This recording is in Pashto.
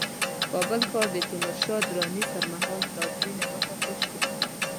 کابل ښار د تیمورشاه دراني پرمهال پلازمينه وټاکل شوه